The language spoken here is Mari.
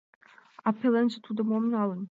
— А пеленже тудо мом налын?